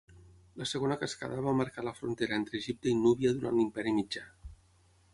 La segona cascada va marcar la frontera entre Egipte i Núbia durant l'Imperi Mitjà.